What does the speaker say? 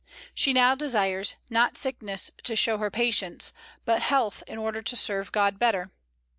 She now desires, not sickness to show her patience, but health in order to serve God better.